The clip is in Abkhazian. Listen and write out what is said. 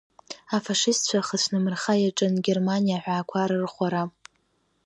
Афашистцәа хыцәнамырха иаҿын Германиа аҳәаақәа рырӷәӷәара.